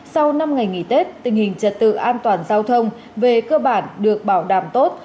sau năm ngày nghỉ tết tình hình trật tự an toàn giao thông về cơ bản được bảo đảm tốt